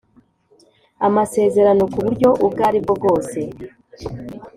Amasezerano ku buryo ubwo aribwo bwose